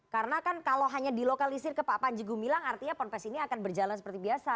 karena kan kalau hanya dilokalisir ke pak panjegu milang artinya ponpes ini akan berjalan seperti biasa